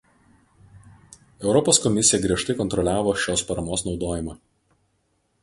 Europos Komisija griežtai kontroliavo šios paramos naudojimą.